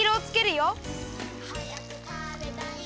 「はやくたべたい！